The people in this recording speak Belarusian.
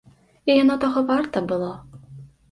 І яно таго варта было.